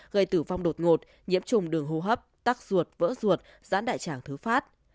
gây tử vong đột ngột nhiễm trùng đường hô hấp tắc ruột vỡ ruột giãn đại tràng thứ phát